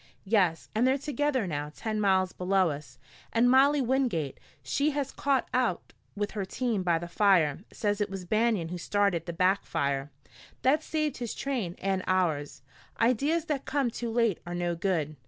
"Yes, and they're together now ten miles below us. And Molly Wingate she was caught out with her team by the fire says it was Banion who started the back fire. That saved his train and ours. Ideas that come too late are no good.